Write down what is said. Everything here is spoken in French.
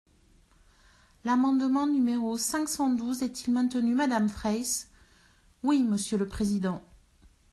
L’amendement numéro cinq cent douze est-il maintenu, madame Fraysse ? Oui, monsieur le président.